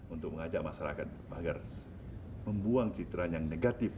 untuk mengajak masyarakat agar membuang citra yang negatif